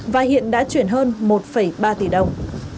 tổng số tiền hơn một ba tỷ đồng